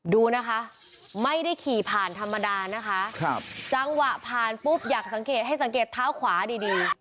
ดูนะคะไม่ได้ขี่ผ่านธรรมดานะคะจังหวะผ่านปุ๊บอยากสังเกตให้สังเกตเท้าขวาดี